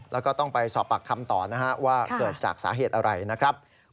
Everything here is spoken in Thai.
แล้วก็ต้องไปสอบปากคำต่อนะฮะว่าเกิดจากสาเหตุอะไรนะครับ